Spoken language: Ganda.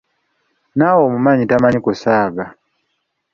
Naawe omumanyi tamanyi kusaaga!